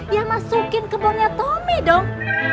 ya masukin kebunnya tommy dong